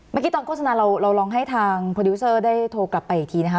เมื่อกี้ตอนโฆษณาเราลองให้ทางโปรดิวเซอร์ได้โทรกลับไปอีกทีนะคะ